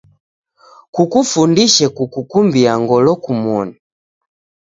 Kukufundishe kukukumbia ngolo kumoni.